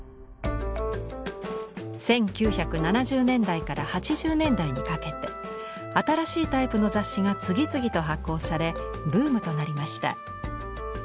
１９７０年代から８０年代にかけて新しいタイプの雑誌が次々と発行されブームとなりました。